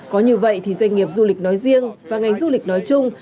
có như vậy thì doanh nghiệp du lịch nói riêng và ngành du lịch nói chung